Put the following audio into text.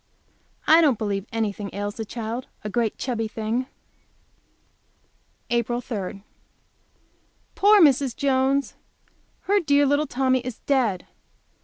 I don't believe anything ails the child! a great chubby thing! April 3. Poor Mrs. Jones! Her dear little Tommy is dead!